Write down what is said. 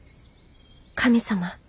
神様。